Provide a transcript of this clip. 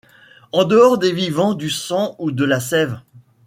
En dehors des vivants du sang ou de la sève